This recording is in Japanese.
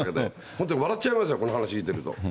本当、笑っちゃいますよ、この話聞いていると。